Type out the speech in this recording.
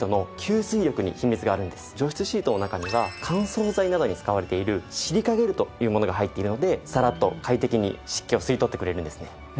除湿シートの中には乾燥剤などに使われているシリカゲルという物が入っているのでサラッと快適に湿気を吸い取ってくれるんですね。